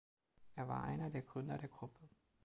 Er war einer der Gründer der Gruppe.